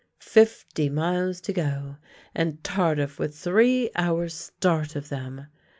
Fifty miles to go, and Tardif with three hours start of them!